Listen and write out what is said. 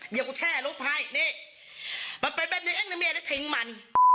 เดี๋ยวกูแชร์หลูปให้นี่เห็นไหมที่ทิ้งมัน